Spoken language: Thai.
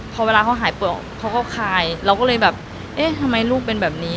พอเวลาเขาหายเปลือกเขาก็คายเราก็เลยแบบเอ๊ะทำไมลูกเป็นแบบนี้